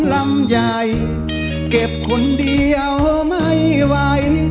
ลำใหญ่เก็บคนเดียวไม่ไหว